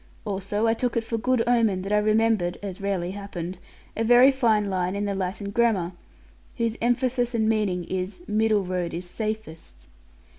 Also I took it for good omen that I remembered (as rarely happened) a very fine line in the Latin grammar, whose emphasis and meaning is 'middle road is safest.'